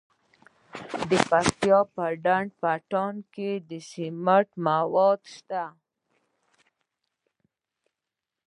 د پکتیا په ډنډ پټان کې د سمنټو مواد شته.